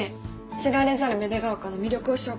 知られざる芽出ヶ丘の魅力を紹介。